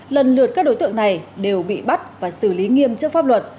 lần lượt các đối tượng này đều bị bắt và xử lý nghiêm trước pháp luật